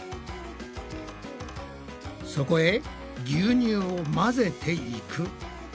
そこへ牛乳を混ぜていく。